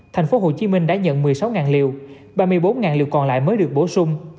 thành phố hồ chí minh đã nhận một mươi sáu liều ba mươi bốn liều còn lại mới được bổ sung